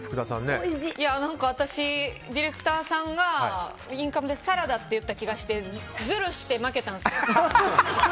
何か私、ディレクターさんがインカムでサラダって言った気がしてズルして負けたんですよ。